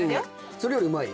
それよりうまい？